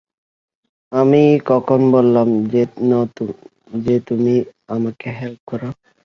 আমি কখন বললাম যে তুমি আমাকে হেল্প করো?